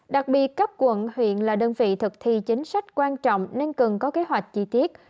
đặc biệt cấp quận huyện là đơn vị thực thi chính sách quan trọng nên cần có kế hoạch chi tiết